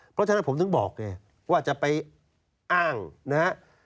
เพราะฉะนั้นผมถึงบอกไงว่าจะไปอ้างนะฮะ